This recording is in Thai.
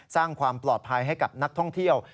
สร้างความปลอดภัยให้กับนักท่องเที่ยว